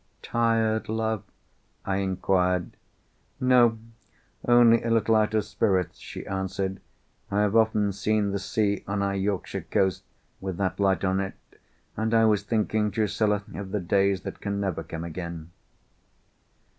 "Tired, love?" I inquired. "No. Only a little out of spirits," she answered. "I have often seen the sea, on our Yorkshire coast, with that light on it. And I was thinking, Drusilla, of the days that can never come again."